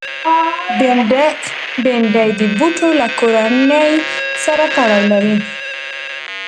بېنډۍ د بوټو له کورنۍ سره تړاو لري